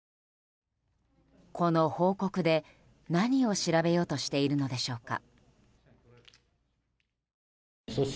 この報告で、何を調べようとしているのでしょうか。